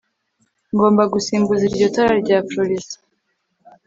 Ngomba gusimbuza iryo tara rya fluorescent